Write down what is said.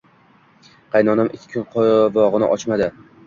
Qaynonam ikki kun qovog`ini ochmadi